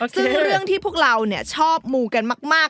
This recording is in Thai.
ซึ่งเรื่องที่พวกเราชอบมูกันมาก